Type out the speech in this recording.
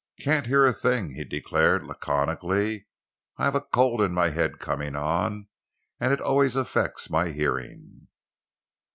"Can't hear a thing," he declared laconically. "I've a cold in my head coming on, and it always affects my hearing."